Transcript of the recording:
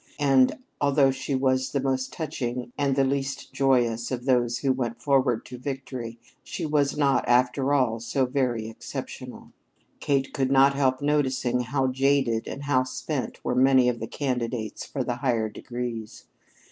And although she was the most touching and the least joyous of those who went forward to victory, she was not, after all, so very exceptional. Kate could not help noticing how jaded and how spent were many of the candidates for the higher degrees.